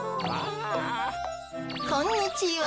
こんにちは。